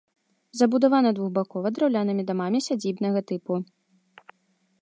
Забудавана двухбакова, драўлянымі дамамі сядзібнага тыпу.